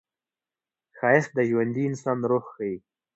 ښایست د ژوندي انسان روح ښيي